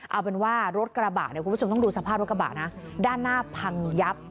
เอาเป็นว่ารถกระบะเนี่ยคุณผู้ชมต้องดูสภาพรถกระบะนะด้านหน้าพังยับ